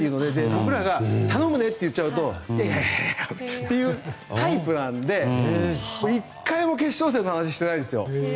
僕らが言っちゃうといやいやっていうタイプなので１回も決勝戦の話をしてないんですよ。